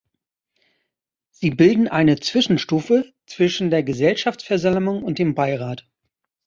Sie bilden eine Zwischenstufe zwischen der Gesellschafterversammlung und dem Beirat.